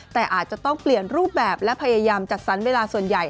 แต่อาจจะต้องเปลี่ยนรูปแบบและพยายามจัดสรรเวลาส่วนใหญ่